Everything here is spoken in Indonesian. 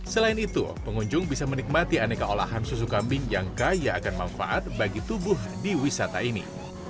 selain itu pengunjung bisa menikmati aneka olahan susu kambing yang kaya akan manfaat bagi tubuh di wisata ini